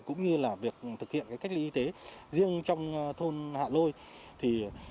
cũng như là việc thực hiện cách ly y tế riêng trong thôn hạ lôi